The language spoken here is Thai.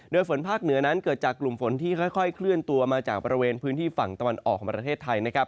โดยฝนภาคเหนือนั้นเกิดจากกลุ่มฝนที่ค่อยเคลื่อนตัวมาจากบริเวณพื้นที่ฝั่งตะวันออกของประเทศไทยนะครับ